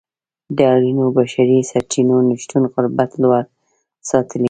د اړینو بشري سرچینو نشتون غربت لوړ ساتلی.